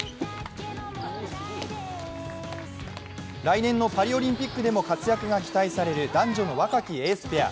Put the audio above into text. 来年のパリオリンピックでも活躍が期待される男女の若きエースペア。